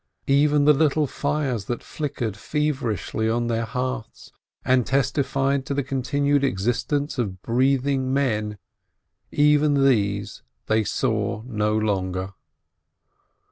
Even the little fires that flickered feverishly on their hearths, and testified to the continued existence of breathing men, even these they saw no longer.